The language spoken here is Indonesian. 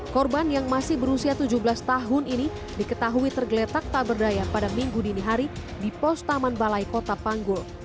korban yang masih berusia tujuh belas tahun ini diketahui tergeletak tak berdaya pada minggu dini hari di pos taman balai kota panggul